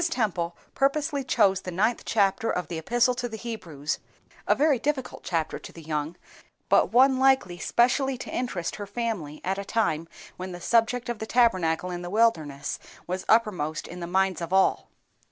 Temple purposely chose the ninth chapter of the Epistle to the Hebrews, a very difficult chapter to the young, but one likely specially to interest her family at a time when the subject of the Tabernacle in the wilderness was uppermost in the minds of all.